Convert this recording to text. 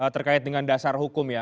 terkait dengan dasar hukum ya